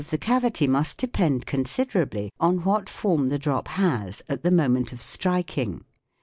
74 THE WORLD OF SOUND cavity must depend considerably on what form the drop has at the moment of striking.